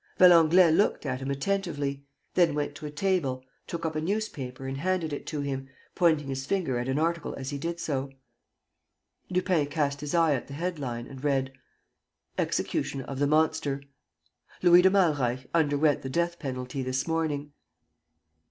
..." Valenglay looked at him attentively, then went to a table, took up a newspaper and handed it to him, pointing his finger at an article as he did so. Lupin cast his eye at the head line and read: "EXECUTION OF THE MONSTER" "Louis de Malreich underwent the death penalty this morning.